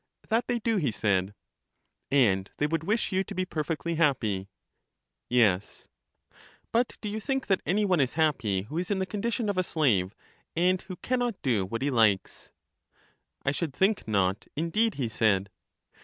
That they do, he said. And they would wish you to be perfectly happy. Yes. But do you think that any one is happy who is in the condition of a slave, and who can not do what he likes ? I should think not indeed, he said.